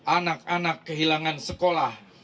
anak anak kehilangan sekolah